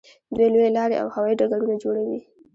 دوی لویې لارې او هوایي ډګرونه جوړوي.